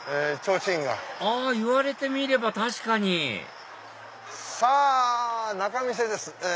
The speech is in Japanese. あ言われてみれば確かにさぁ仲見世です。